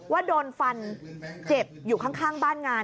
ว่าโดนฟันเจ็บอยู่ข้างบ้านงาน